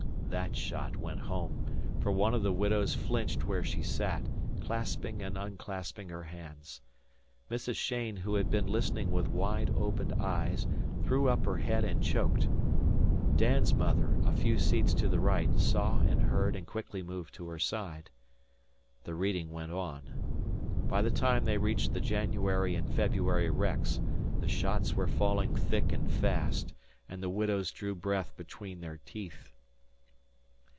That shot went home, for one of the widows flinched where she sat, clasping and unclasping her hands. Mrs. Cheyne, who had been listening with wide opened eyes, threw up her head and choked. Dan's mother, a few seats to the right, saw and heard and quickly moved to her side. The reading went on. By the time they reached the January and February wrecks the shots were falling thick and fast, and the widows drew breath between their teeth.